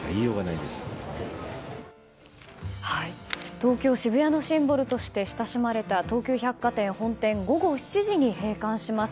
東京・渋谷のシンボルとして親しまれた東急百貨店本店午後７時に閉館します。